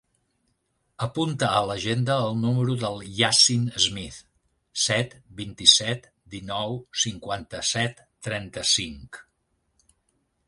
Apunta a l'agenda el número del Yassin Smith: set, vint-i-set, dinou, cinquanta-set, trenta-cinc.